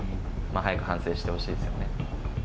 早く反省してほしいですよね。